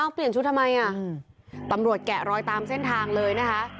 เปลี่ยนชุดทำไมอ่ะตำรวจแกะรอยตามเส้นทางเลยนะคะ